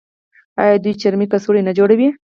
آیا دوی چرمي کڅوړې نه جوړوي؟